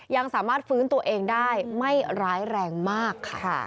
ยังสามารถฟื้นตัวเองได้ไม่ร้ายแรงมากค่ะ